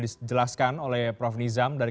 dijelaskan oleh prof nizam dari